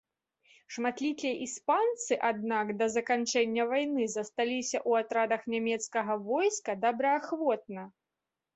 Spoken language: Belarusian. Шматлікія іспанцы, аднак, да заканчэння вайны засталіся ў атрадах нямецкага войска добраахвотна.